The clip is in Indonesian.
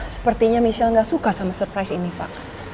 sepertinya michelle nggak suka sama surprise ini pak